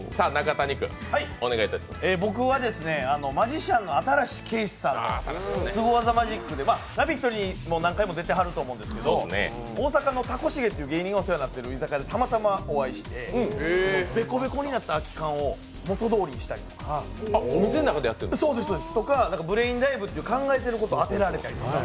僕はマジシャンの新子景視さんのすご技マジックで、「ラヴィット！」にも何回も出てはると思うんですけど大阪のお世話になってる居酒屋でたまたまお会いして、べこべこになった空き缶を元どおりにしたりとかブレインダイブっていう考えてること当てられたりとか。